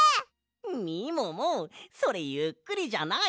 みももそれゆっくりじゃない！